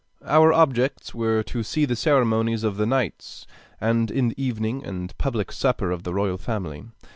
[Our objects were to see the ceremonies of the knights, and in the evening the public supper of the royal family.